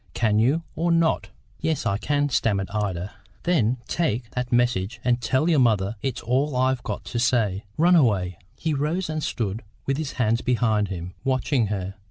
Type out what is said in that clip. Can you, or not?" "Yes, I can," stammered Ida. "Then take that message, and tell your mother it's all I've got to say. Run away." He rose and stood with his hands behind him, watching her.